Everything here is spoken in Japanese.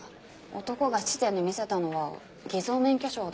男が質店で見せたのは偽造免許証だと思われます。